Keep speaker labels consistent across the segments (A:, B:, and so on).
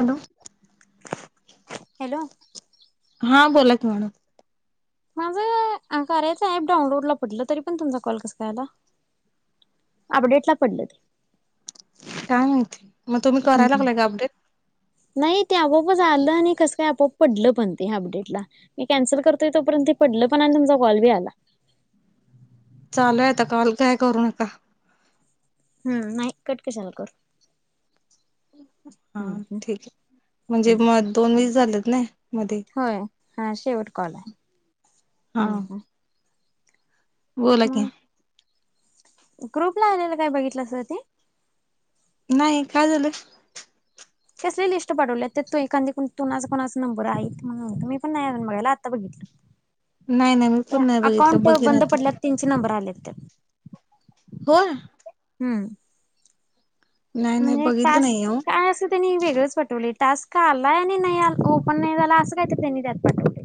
A: Hello.
B: Hello,
A: हा बोला की मॅडम.
B: माझं कार्याचं ऍप डाउनलोडला पडलं तरी पण तुमचा कॉल कस काय आला. अपडेटला पडलं ते.
A: काय माहिती. म तुम्ही करायला
B: हम्म
A: लागलाय का अपडेट?
B: नाही ते आपोपच आलं आणि कसं काय आपोआप पडलं पण ते अपडेटला मी कॅन्सल करतोय तोपर्यंत ते पडलं पण आणि तुमचा कॉल बी आला.
A: चालूयता काॅल काय करू नका.
B: हम्म नाही कट कशाला करु.
A: हा ठीक आहे म्हणजे
B: हम्म.
A: म दोन वीस झाले त नाही.
B: होय हा शेवट कॉल आहे,
A: हा
B: हम्म हम्म.
A: बोला की.
B: मग ग्रुपला आलेला काय बघितलं अस ते?
A: नाही काय झालं.
B: कसले लिस्ट पाठवले एखादी तुणाचा कोणाचा नंबर आहे म्हणून म्हणत मी पण नाही अजून बघायला आत्ता बघितलं.
A: नाही नाही मी पण नाही बघितलं
B: अकाउंट
A: बघेन
B: बंद
A: आता.
B: पडल्यात त्यांचे नंबर आलेत त्यात.
A: होय.
B: हम्म
A: नाही नाही
B: म्हणजे
A: बघितलं नाही
B: तास्क
A: अहो
B: काय असं त्यांनी वेगळंच पाठवलं. टास् का आलाय आणि नाही आ ओपन नाही झाला असं काहीत त्यांनी त्यात पाठवठ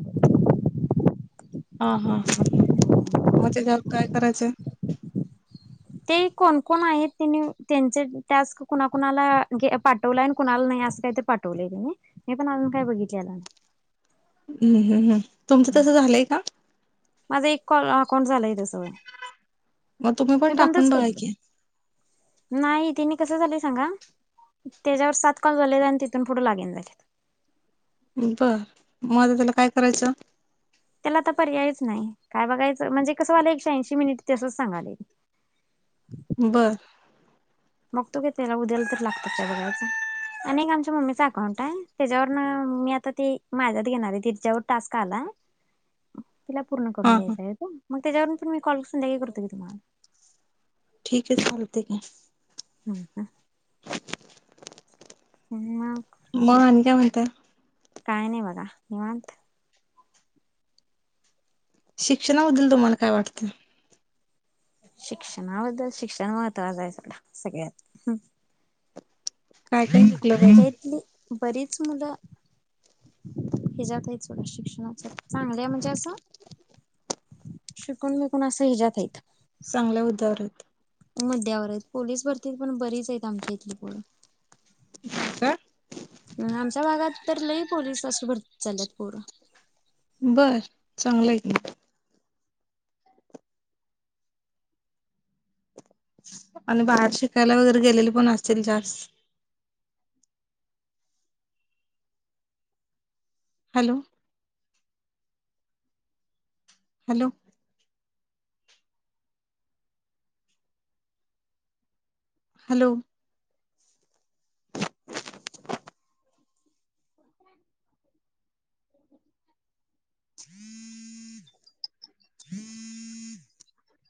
A: हा हा हा हा मजे जाल काय करायचंय.
B: ते कोण कोण आहेत त्यांनी त्यांच त्यास कुणाकुणाला पाठवलं आहे. कुणाला नाही अस काही ते पाठवले त्यांने मी पण अजून काही बघितलेलं नाही.
A: हम् हम हम तुमचं तसं झालंय का.
B: माझा एक कॉ अकाउंट झालाय त्यासय
A: मग तुम्ही पण टाकून बघाय क
B: तिने कसं झालं सांगा त्याच्यावर सात कॉल झाले आणि तिथून पुढे लागेन झालेत.
A: बर मझ त्याला काय करायचं.
B: त्याला आता पर्यायच नाही काय बघायचं म्हणजे कसं वालं एकश ऐंशी मिनिट तसच सांगाले.
A: बरं.
B: बघ तो ग त्याला उद्याला तर लागत का बघयच आणि एक आमच्या मम्मीचा अकाउंट आहे. त्याच्यावरून मी आता तेी माझ्यात घेणार आहे तिच्यावर टास्क आला. तिला पूर्ण
A: हा
B: करून
A: हा
B: द्यायचं आहे. मग त्याच्यावरून प मी कॉल कत कधन
A: ठीक आहे चालते का.
B: अच् का ह
A: मग आणि काय माहत
B: काय नाही बघा निमत
A: शिक्षणा होद्दल तुम्हाला काय वाटत.
B: शिक्षणाबद्दल शिक्षण महत्वाचं आहे. सगळं सगळ्यात
A: काय काय शिकलं
B: आमच्या
A: का.
B: इथली बरीच मुलं हच्यात आहेत थोड्या शिक्षणाच्या चांगल्या म्हणजे असं शिकून विकून असं हजत आहेत.
A: चांगल्या उदावरत
B: मध्यावर आहेत पोलीस भरती पण बरीच आहेत आमच्या इथली पर
A: का
B: आमच्या भागात तर लई पोलीस अे भरती चाल्यात पोरं
A: बर चांगलं ग आणि बाहेर शिकायला वगैरे गेलेले पण असतील जास्त हॅलो हॅलो हॅलो हम्म हम्म [inaudible]